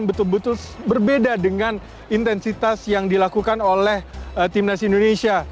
betul betul berbeda dengan intensitas yang dilakukan oleh timnas indonesia